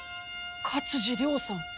勝地涼さん！